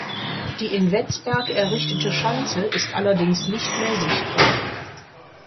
Die in Vetzberg errichtete Schanze ist allerdings nicht mehr sichtbar.